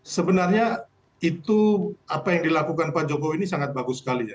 sebenarnya itu apa yang dilakukan pak jokowi ini sangat bagus sekali ya